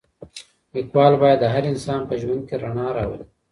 ليکوال بايد د هر انسان په ژوند کي رڼا راولي.